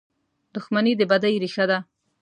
• دښمني د بدۍ ریښه ده.